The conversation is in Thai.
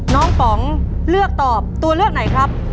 ป๋องเลือกตอบตัวเลือกไหนครับ